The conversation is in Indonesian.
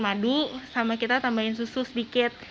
madu sama kita tambahin susu sedikit